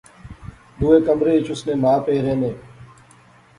دوئے کمرے اچ اس نے ما پے رہنے